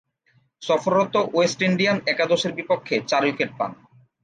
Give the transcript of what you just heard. সফররত West Indian একাদশের বিপক্ষে চার উইকেট পান।